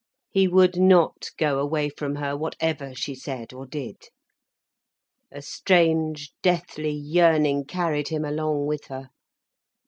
He would not go away from her whatever she said or did. A strange, deathly yearning carried him along with her.